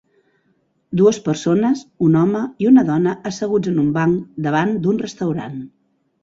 Dues persones, un home i una dona asseguts en un banc, davant d'un restaurant.